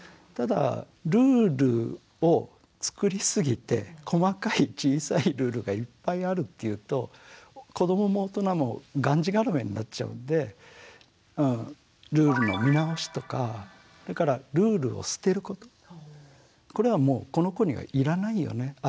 ただルールを作りすぎて細かい小さいルールがいっぱいあるっていうと子どもも大人もがんじがらめになっちゃうんでルールの見直しとかそれからルールを捨てることこれはもうこの子にはいらないよね